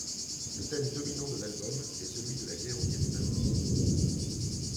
Le thème dominant de l'album est celui de la guerre au Viêt Nam.